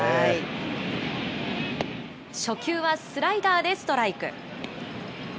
初球はスライダーでストライク。